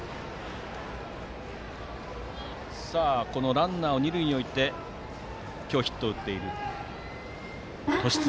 ランナーを二塁に置いて今日、ヒットを打っている年綱。